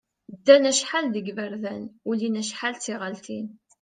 Ddan acḥal deg yiberdan, ulin acḥal d tiɣalin.